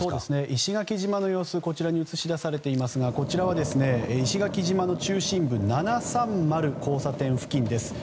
石垣島の様子が映し出されていますがこちらは石垣島の中心部７３０交差点付近です。